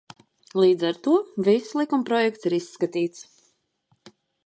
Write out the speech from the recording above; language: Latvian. Līdz ar to viss likumprojekts ir izskatīts.